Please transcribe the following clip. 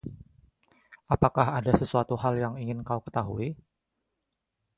Apakah ada sesuatu hal yang ingin kau ketahui?